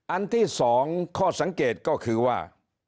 อันที่๒ข้อสังเกตก็คือว่า